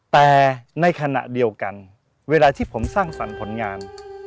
แต่ในขณะเดียวกันเวลาที่ผมสร้างสรรค์ผลงาน